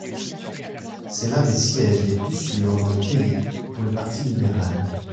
C'est l'un des sièges les plus sûrs dans le pays pour le parti libéral.